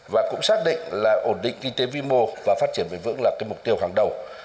và cũng xác định là ổn định kinh tế vĩ mô và phát triển vĩ vững là mục tiêu hàng đầu